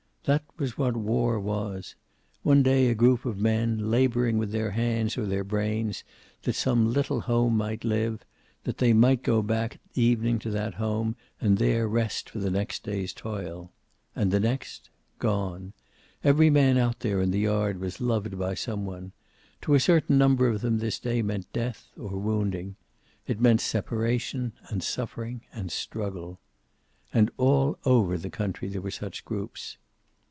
That was what war was; one day a group of men, laboring with their hands or their brains, that some little home might live; that they might go back at evening to that home, and there rest for the next day's toil. And the next, gone. Every man out there in the yard was loved by some one. To a certain number of them this day meant death, or wounding. It meant separation, and suffering, and struggle. And all over the country there were such groups.